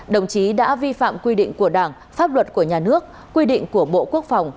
đồng chí đã vi phạm quy định của đảng pháp luật của nhà nước quy định của bộ quốc phòng